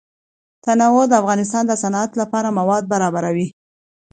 تنوع د افغانستان د صنعت لپاره مواد برابروي.